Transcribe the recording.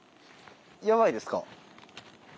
やばいですか？